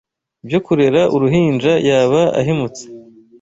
byo kurera uruhinja yaba ahemutse